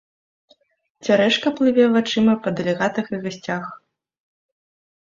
Цярэшка плыве вачыма па дэлегатах і гасцях.